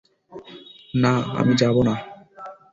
না, আমি যাবো না।